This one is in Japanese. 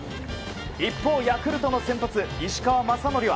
一方、ヤクルトの先発石川雅規は